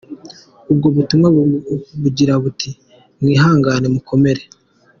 Ubwo butumwa bugira buti ”Mwihangane mukomere.